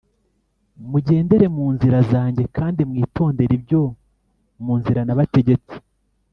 Mujyendere munzira zanjye kandi mwitondere ibyo mu nzira nabategetse